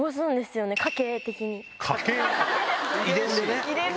遺伝でね。